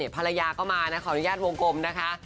ภรรยาก็มานะขออนุญาตวงกลมนะคะ